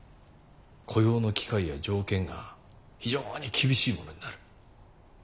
雇用の機会や条件が非常に厳しいものになる。